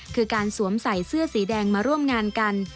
คือการสวมใส่เสื้อสีแดงมาร่วมงานกัน